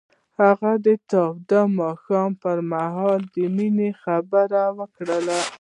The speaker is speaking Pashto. هغه د تاوده ماښام پر مهال د مینې خبرې وکړې.